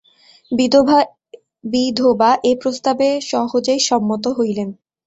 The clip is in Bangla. বিধবা এ প্রস্তাবে সহজেই সম্মত হইলেন।